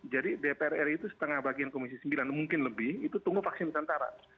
jadi dpr ri itu setengah bagian komisi sembilan mungkin lebih itu tunggu vaksin nusantara